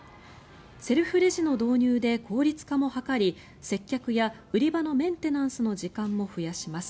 セルフレジの導入で効率化も図り接客や売り場のメンテナンスの時間も増やします。